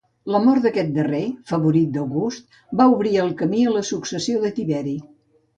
La mort d'aquest darrer, favorit d'August, va obrir el camí a la successió de Tiberi.